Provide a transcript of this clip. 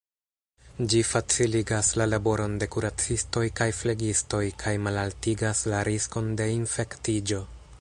Ĝi faciligas la laboron de kuracistoj kaj flegistoj, kaj malaltigas la riskon de infektiĝo.